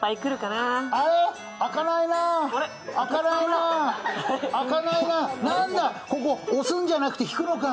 なんだ、ここ押すんじゃなくて引くのか。